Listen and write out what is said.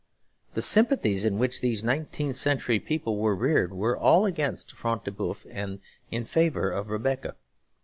The sympathies in which these nineteenth century people were reared were all against Front de Boeuf and in favour of Rebecca.